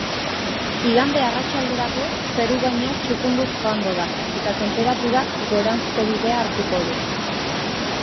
Igande arratsalderako zeru-gaina txukunduz joango da eta tenperaturak goranzko bidea hartuko du.